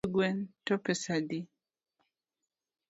Chiemb gwen to pesa adi?